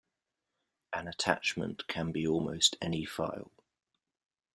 An attachment can be almost any file.